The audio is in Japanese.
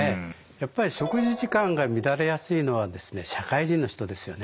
やっぱり食事時間が乱れやすいのはですね社会人の人ですよね。